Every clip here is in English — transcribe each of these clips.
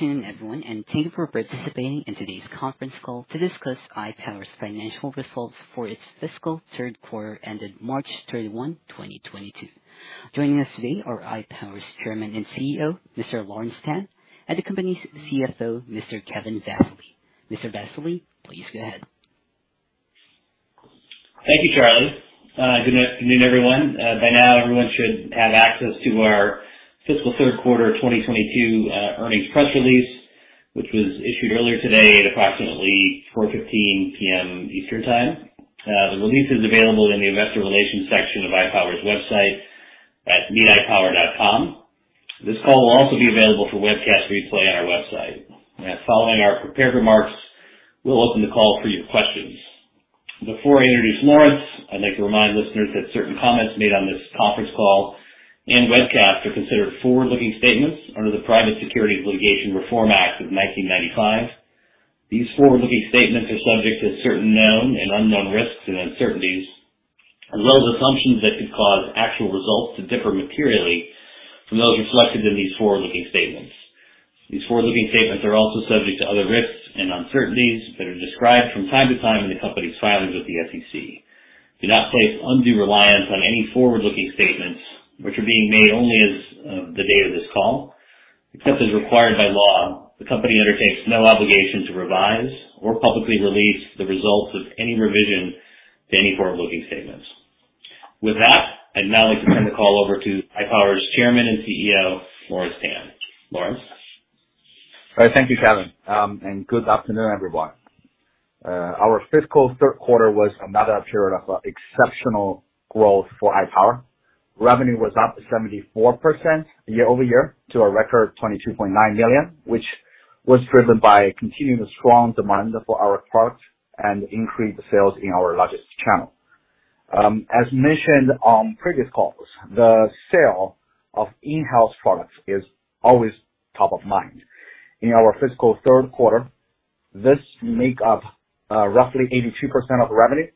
Good afternoon everyone, and thank you for participating in today's conference call to discuss iPower's financial results for its fiscal Q3 ended March 31, 2022. Joining us today are iPower's Chairman and CEO, Mr. Lawrence Tan, and the company's CFO, Mr. Kevin Vassily. Mr. Vassily, please go ahead. Thank you, Charlie. Good afternoon, everyone. By now, everyone should have access to our fiscal Q3 2022 earnings press release, which was issued earlier today at approximately 4:15 P.M. Eastern Time. The release is available in the investor relations section of iPower's website at meetipower.com. This call will also be available for webcast replay on our website. Following our prepared remarks, we'll open the call for your questions. Before I introduce Lawrence, I'd like to remind listeners that certain comments made on this conference call and webcast are considered forward-looking statements under the Private Securities Litigation Reform Act of 1995. These forward-looking statements are subject to certain known and unknown risks and uncertainties, as well as assumptions that could cause actual results to differ materially from those reflected in these forward-looking statements. These forward-looking statements are also subject to other risks and uncertainties that are described from time to time in the company's filings with the SEC. Do not place undue reliance on any forward-looking statements which are being made only as of the date of this call. Except as required by law, the company undertakes no obligation to revise or publicly release the results of any revision to any forward-looking statements. With that, I'd now like to turn the call over to iPower's Chairman and CEO, Lawrence Tan. Lawrence? All right. Thank you, Kevin. Good afternoon, everyone. Our fiscal Q3 was another period of exceptional growth for iPower. Revenue was up 74% year-over-year to a record $22.9 million, which was driven by continuous strong demand for our products and increased sales in our largest channel. As mentioned on previous calls, the sale of in-house products is always top of mind. In our fiscal Q3, this makes up roughly 82% of revenue.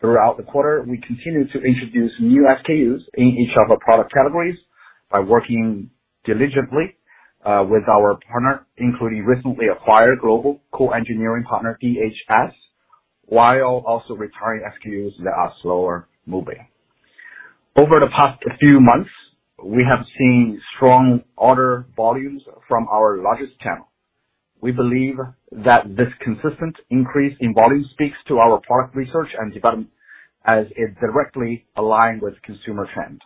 Throughout the quarter, we continued to introduce new SKUs in each of our product categories by working diligently with our partner, including recently acquired global co-engineering partner, DHS, while also retiring SKUs that are slower moving. Over the past few months, we have seen strong order volumes from our largest channel. We believe that this consistent increase in volume speaks to our product research and development as it directly align with consumer trends.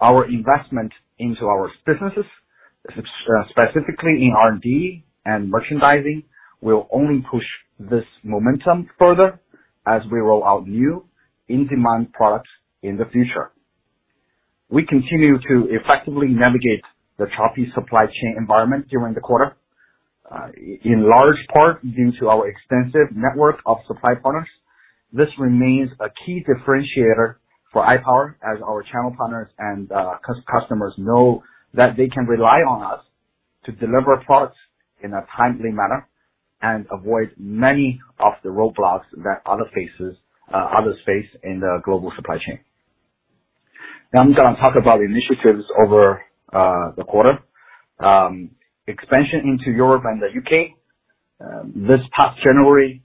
Our investment into our businesses, specifically in R&D and merchandising, will only push this momentum further as we roll out new in-demand products in the future. We continue to effectively navigate the choppy supply chain environment during the quarter, in large part due to our extensive network of supply partners. This remains a key differentiator for iPower as our channel partners and customers know that they can rely on us to deliver products in a timely manner and avoid many of the roadblocks that others face in the global supply chain. Now I'm gonna talk about initiatives over the quarter. Expansion into Europe and the UK. This past January,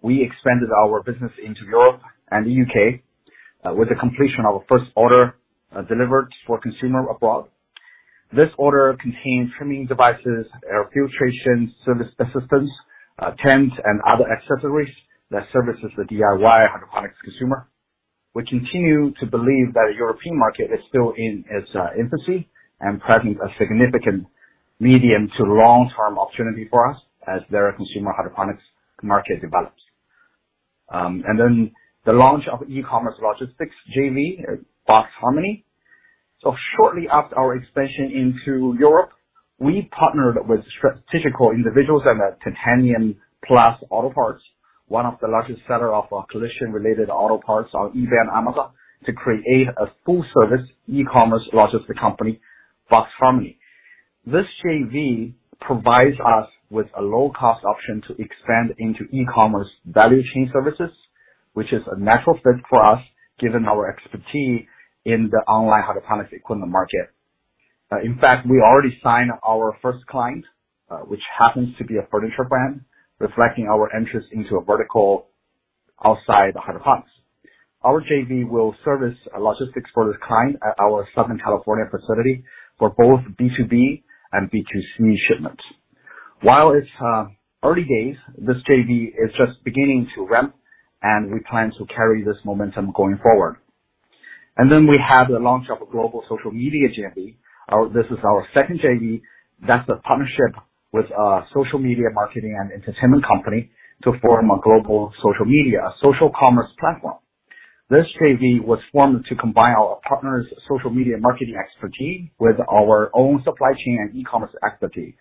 we expanded our business into Europe and the U.K. with the completion of our first order delivered for consumer abroad. This order contains trimming devices, air filtration service assistance, tents and other accessories that services the DIY hydroponics consumer. We continue to believe that the European market is still in its infancy and present a significant medium to long-term opportunity for us as their consumer hydroponics market develops. The launch of e-commerce logistics JV, Box Harmony. Shortly after our expansion into Europe, we partnered with strategic individuals at Titanium Plus Autoparts, one of the largest seller of collision-related auto parts on eBay and Amazon, to create a full service e-commerce logistics company, Box Harmony. This JV provides us with a low cost option to expand into e-commerce value chain services, which is a natural fit for us given our expertise in the online hydroponics equipment market. In fact, we already signed our first client, which happens to be a furniture brand, reflecting our entrance into a vertical outside hydroponics. Our JV will service logistics for this client at our Southern California facility for both B2B and B2C shipments. While it's early days, this JV is just beginning to ramp, and we plan to carry this momentum going forward. We have the launch of a global social commerce platform JV. This is our second JV that's a partnership with a social media marketing and entertainment company to form a global social commerce platform. This JV was formed to combine our partner's social media marketing expertise with our own supply chain and e-commerce expertise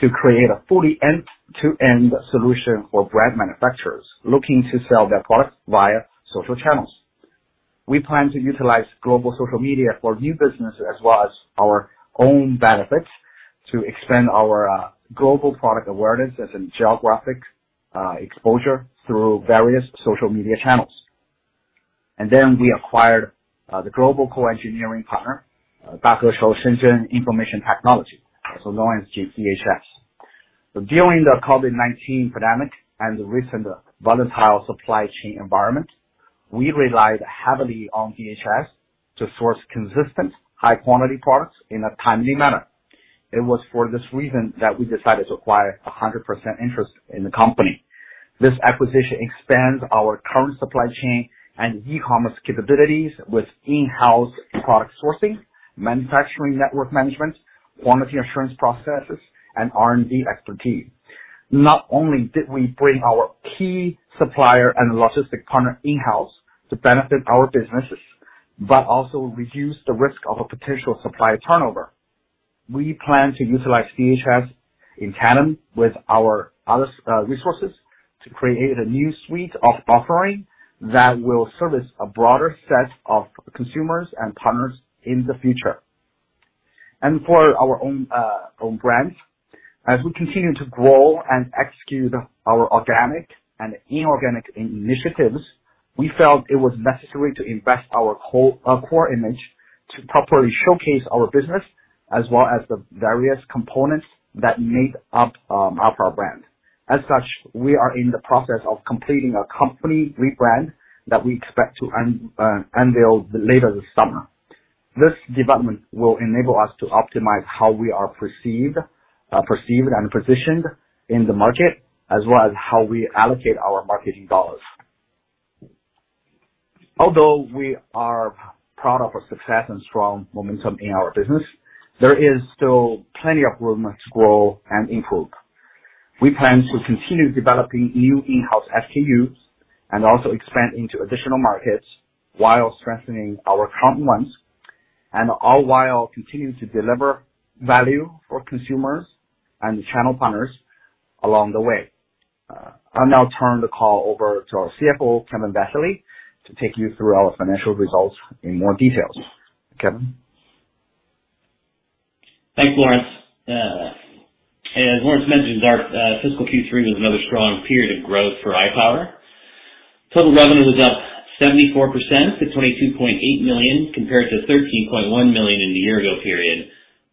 to create a fully end-to-end solution for brand manufacturers looking to sell their products via social channels. We plan to utilize global social commerce platform for new business as well as our own benefits to expand our global product awareness as in geographic exposure through various social media channels. We acquired the global co-engineering partner, Dalicent, Inc, also known as DHS. During the COVID-19 pandemic and the recent volatile supply chain environment, we relied heavily on DHS to source consistent high quality products in a timely manner. It was for this reason that we decided to acquire 100% interest in the company. This acquisition expands our current supply chain and e-commerce capabilities with in-house product sourcing, manufacturing network management, quality assurance processes, and R&D expertise. Not only did we bring our key supplier and logistics partner in-house to benefit our businesses, but also reduce the risk of a potential supplier turnover. We plan to utilize DHS in tandem with our other resources to create a new suite of offering that will service a broader set of consumers and partners in the future. For our own brands, as we continue to grow and execute our organic and inorganic initiatives, we felt it was necessary to invest our core image to properly showcase our business as well as the various components that make up our brand. As such, we are in the process of completing a company rebrand that we expect to unveil later this summer. This development will enable us to optimize how we are perceived and positioned in the market as well as how we allocate our marketing dollars. Although we are proud of our success and strong momentum in our business, there is still plenty of room to grow and improve. We plan to continue developing new in-house SKUs and also expand into additional markets while strengthening our current ones, and all while continuing to deliver value for consumers and channel partners along the way. I'll now turn the call over to our CFO, Kevin Vassily, to take you through our financial results in more details. Kevin? Thanks, Lawrence. As Lawrence mentioned, our fiscal Q3 was another strong period of growth for iPower. Total revenue was up 74% to $22.8 million, compared to $13.1 million in the year-ago period,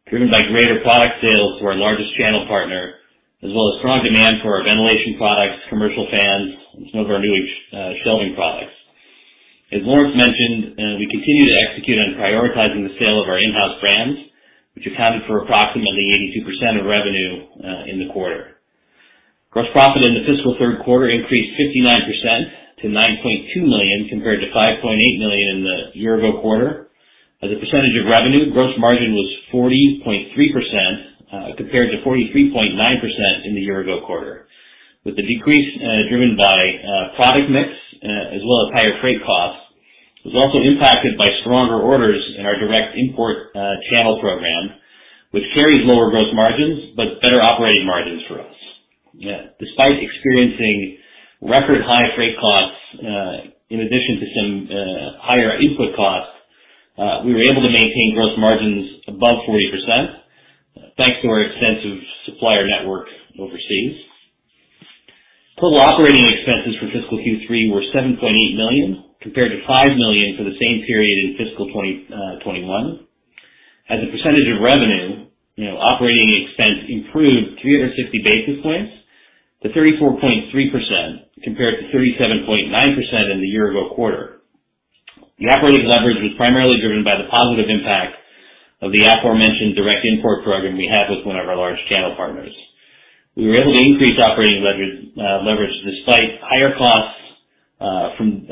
driven by greater product sales to our largest channel partner, as well as strong demand for our ventilation products, commercial fans and some of our new shelving products. As Lawrence mentioned, we continue to execute on prioritizing the sale of our in-house brands, which accounted for approximately 82% of revenue in the quarter. Gross profit in the fiscal Q3 increased 59% to $9.2 million compared to $5.8 million in the year-ago quarter. As a percentage of revenue, gross margin was 40.3%, compared to 43.9% in the year-ago quarter. With the decrease, driven by, product mix, as well as higher freight costs. It was also impacted by stronger orders in our direct import, channel program, which carries lower gross margins but better operating margins for us. Despite experiencing record high freight costs, in addition to some, higher input costs, we were able to maintain gross margins above 40%, thanks to our extensive supplier network overseas. Total operating expenses for fiscal Q3 were $7.8 million, compared to $5 million for the same period in fiscal 2021. As a percentage of revenue, you know, operating expense improved 360 basis points to 34.3% compared to 37.9% in the year-ago quarter. The operating leverage was primarily driven by the positive impact of the aforementioned direct import program we have with one of our large channel partners. We were able to increase operating leverage despite higher costs from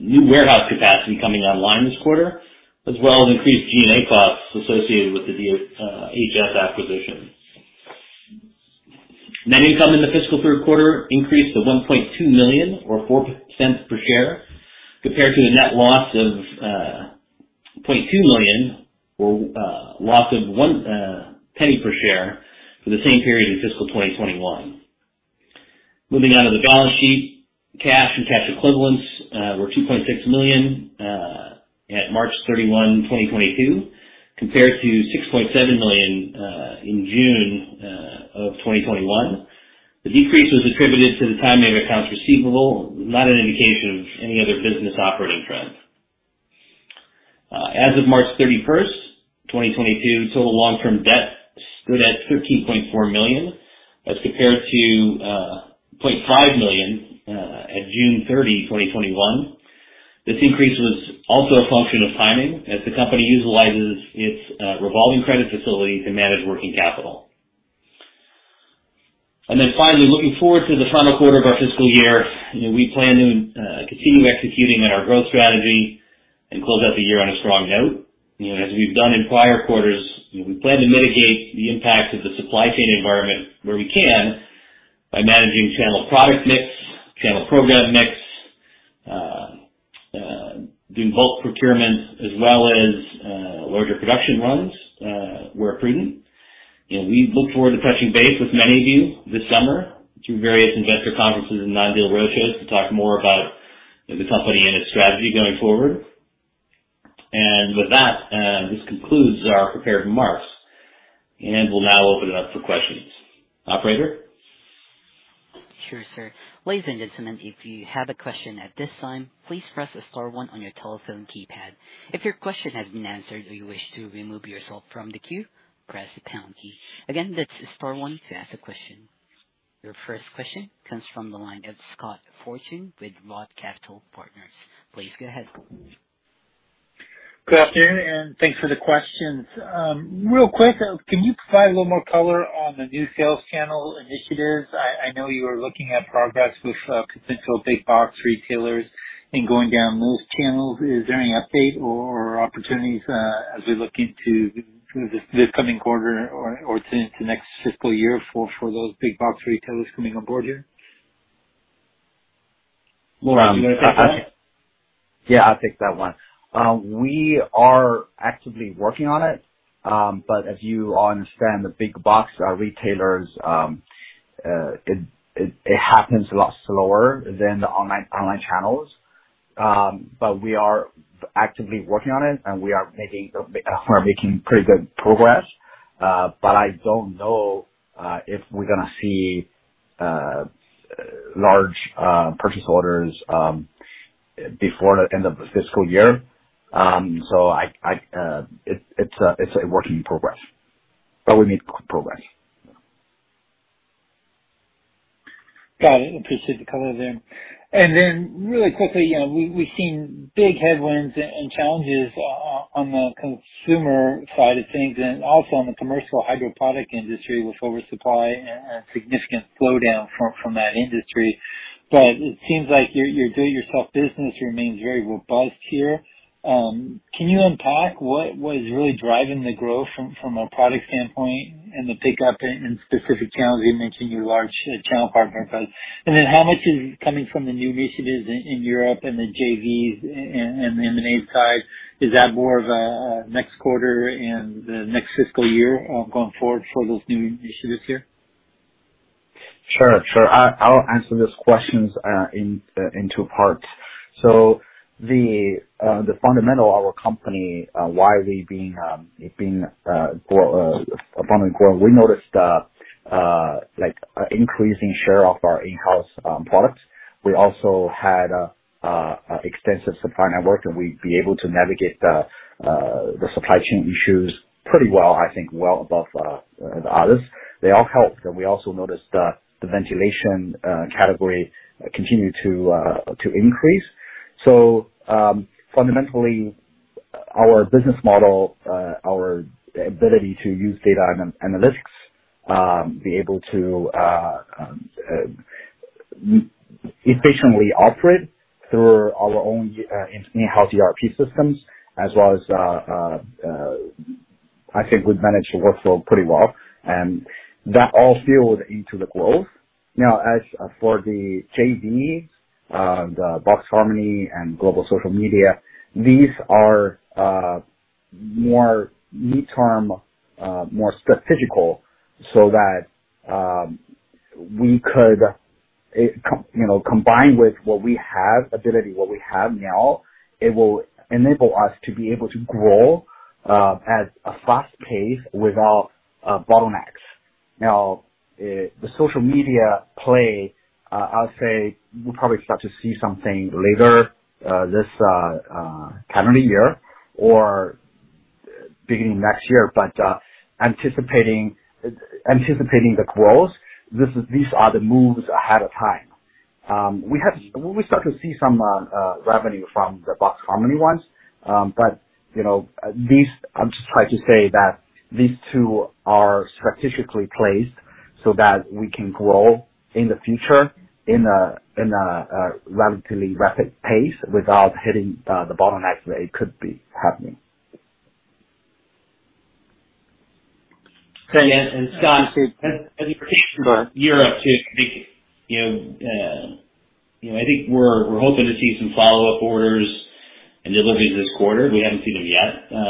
new warehouse capacity coming online this quarter, as well as increased G&A costs associated with the DHS acquisition. Net income in the fiscal Q3 increased to $1.2 million or $0.04 per share, compared to a net loss of $0.2 million or $0.01 per share for the same period in fiscal 2021. Moving on to the balance sheet, cash and cash equivalents were $2.6 million at March 31, 2022, compared to $6.7 million in June 2021. The decrease was attributed to the timing of accounts receivable, not an indication of any other business operating trends. As of March 31, 2022, total long-term debt stood at $13.4 million as compared to $0.5 million at June 30, 2021. This increase was also a function of timing as the company utilizes its revolving credit facility to manage working capital. Finally, looking forward to the final quarter of our fiscal year. You know, we plan on continuing executing on our growth strategy and close out the year on a strong note. You know, as we've done in prior quarters, you know, we plan to mitigate the impact of the supply chain environment where we can by managing channel product mix, channel program mix, doing bulk procurements as well as larger production runs where prudent. You know, we look forward to touching base with many of you this summer through various investor conferences and non-deal roadshows to talk more about the company and its strategy going forward. With that, this concludes our prepared remarks, and we'll now open it up for questions. Operator? Sure, sir. Ladies and gentlemen, if you have a question at this time, please press star one on your telephone keypad. If your question has been answered or you wish to remove yourself from the queue, press the pound key. Again, that's star one to ask a question. Your first question comes from the line of Scott Fortune with Roth Capital Partners. Please go ahead. Good afternoon, and thanks for the questions. Real quick, can you provide a little more color on the new sales channel initiatives? I know you were looking at progress with potential big box retailers and going down those channels. Is there any update or opportunities as we look into this coming quarter or to next fiscal year for those big box retailers coming on board here? Yeah, I'll take that one. We are actively working on it. As you all understand, the big box retailers, it happens a lot slower than the online channels. We are actively working on it and we are making pretty good progress. I don't know if we're gonna see large purchase orders before the end of the fiscal year. It's a work in progress, but we made good progress. Got it. Appreciate the color there. Then really quickly, you know, we've seen big headwinds and challenges on the consumer side of things and also on the commercial hydroponic industry with oversupply and significant slowdown from that industry. It seems like your do-it-yourself business remains very robust here. Can you unpack what is really driving the growth from a product standpoint and the pickup in specific channels? You mentioned your large channel partners. Then how much is coming from the new initiatives in Europe and the JVs and the NAFTA side? Is that more of a next quarter and the next fiscal year going forward for those new initiatives here? Sure, sure. I'll answer those questions in two parts. The fundamentals of our company, why we've been growing with abundant growth, we noticed like increasing share of our in-house products. We also had an extensive supply network, and we've been able to navigate the supply chain issues pretty well, I think, well above the others. They all helped. We also noticed that the ventilation category continued to increase. Fundamentally, our business model, our ability to use data and analytics to be able to efficiently operate through our own in-house ERP systems as well as, I think we've managed the workflow pretty well. That all fueled into the growth. Now as for the JVs, the Box Harmony and Global Social Media, these are more mid-term, more strategic so that we could, you know, combine with what we have ability, what we have now, it will enable us to be able to grow at a fast pace without bottlenecks. Now, the social media play, I would say we'll probably start to see something later this calendar year or beginning next year. Anticipating the growth, this is, these are the moves ahead of time. We start to see some revenue from the Box Harmony ones. You know, these, I'm just trying to say that these two are strategically placed so that we can grow in the future in a relatively rapid pace without hitting the bottlenecks that it could be happening. Thank you. Scott, as you're talking Europe too, I think, you know, I think we're hoping to see some follow-up orders and deliveries this quarter. We haven't seen them yet.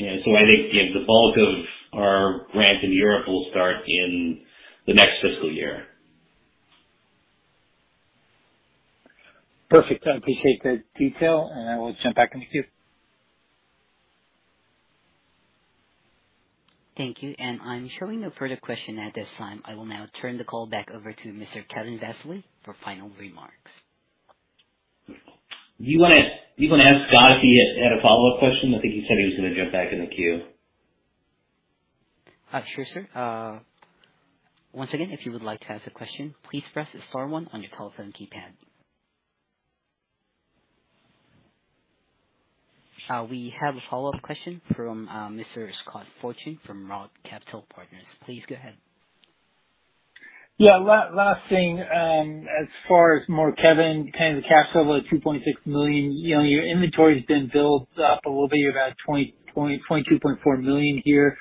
I think, you know, the bulk of our growth in Europe will start in the next fiscal year. Perfect. I appreciate the detail, and I will jump back in the queue. Thank you. I'm showing no further question at this time. I will now turn the call back over to Mr. Kevin Vassily for final remarks. Do you wanna ask Scott if he had a follow-up question? I think he said he was gonna jump back in the queue. Sure, sir. Once again, if you would like to ask a question, please press star one on your telephone keypad. We have a follow-up question from Mr. Scott Fortune from Roth Capital Partners. Please go ahead. Yeah. Last thing, as far as more Kevin, kind of the cash flow of $2.6 million, you know, your inventory's been built up a little bit about $22.4 million here.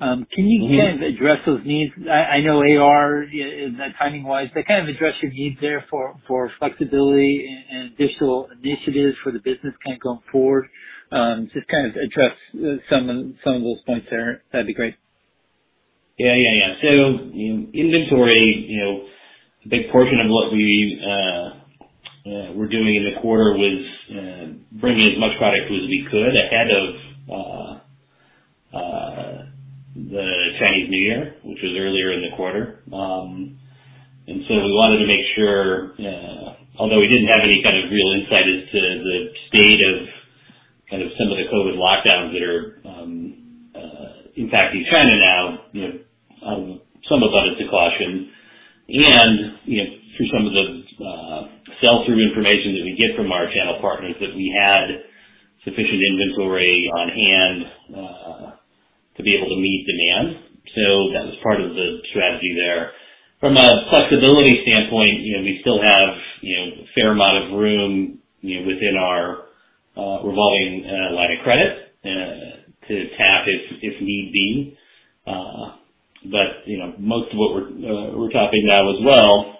Can you- Mm-hmm. Kind of address those needs? I know AR, you know, timing wise, but kind of address your needs there for flexibility and additional initiatives for the business kind of going forward. Just kind of address some of those points there. That'd be great. Yeah. In inventory, you know, a big portion of what we were doing in the quarter was bringing as much product as we could ahead of. The Chinese New Year, which was earlier in the quarter. We wanted to make sure, although we didn't have any kind of real insight into the state of kind of some of the COVID lockdowns that are impacting China now, you know, some of that is precaution and, you know, through some of the sell-through information that we get from our channel partners, that we had sufficient inventory on hand to be able to meet demand. That was part of the strategy there. From a flexibility standpoint, you know, we still have, you know, a fair amount of room, you know, within our revolving line of credit to tap if need be. You know, most of what we're tapping now as well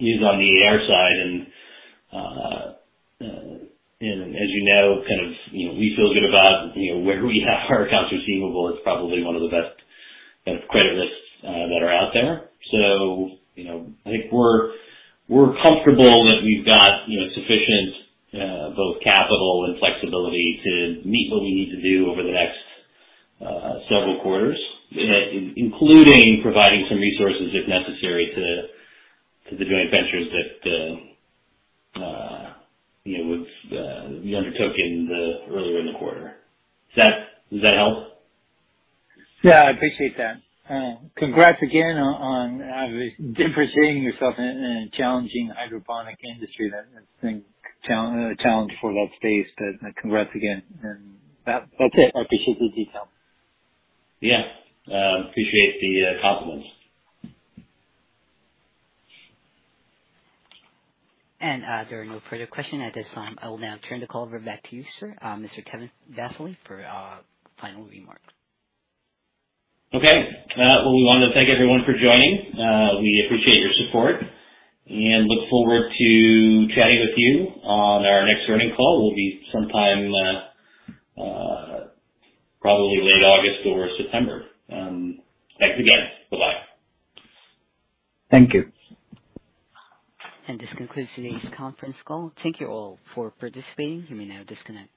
is on the AR side. As you know, kind of, you know, we feel good about, you know, where we have our accounts receivable. It's probably one of the best kind of credit lists that are out there. You know, I think we're comfortable that we've got, you know, sufficient both capital and flexibility to meet what we need to do over the next several quarters, including providing some resources if necessary to the joint ventures that we undertook earlier in the quarter. Does that help? Yeah, I appreciate that. Congrats again on differentiating yourself in a challenging hydroponic industry. That's been a challenge for that space, but congrats again. That's it. I appreciate the detail. Yeah. Appreciate the compliments. There are no further question at this time. I will now turn the call over back to you, sir, Mr. Kevin Vassily, for final remarks. Okay. Well, we wanted to thank everyone for joining. We appreciate your support and look forward to chatting with you on our next earnings call, will be sometime, probably late August or September. Thanks again. Bye-bye. Thank you. This concludes today's conference call. Thank you all for participating. You may now disconnect.